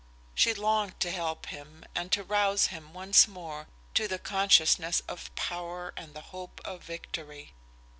She longed to help him and to rouse him once more to the consciousness of power and the hope of victory.